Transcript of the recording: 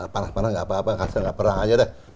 panas panas gak apa apa kasar gak perang aja deh